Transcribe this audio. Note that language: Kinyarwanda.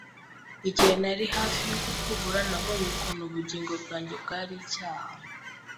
Igihe nari hafi yo kukubura, nabonye ukuntu ubugingo bwanjye bwari icyaha.